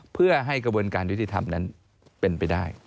เพื่อให้กระบวนการยุติธรรมนั้นเป็นไปได้